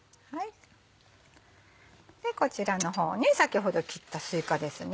でこちらの方に先ほど切ったすいかですね。